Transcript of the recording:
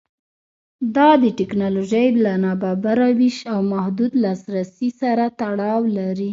دا د ټکنالوژۍ له نابرابره وېش او محدود لاسرسي سره تړاو لري.